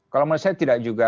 kalau menurut saya tidak juga